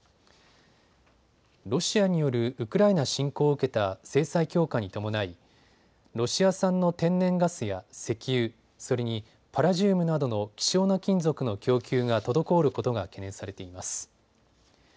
ロシアによるウクライナ侵攻を受けた制裁強化に伴いロシア産の天然ガスや石油、それにパラジウムなどの希少な金属の供給が滞ることが懸念されています。